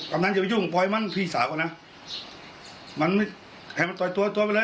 กำลังจะยุ่งปล่อยมันพี่สาวเขานะมันไม่ให้มันปล่อยตัวตัวไปเลย